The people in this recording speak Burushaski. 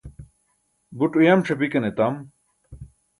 buṭ uyam ṣapikan etam